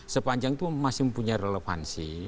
sepanjang itu masih mempunyai relevansi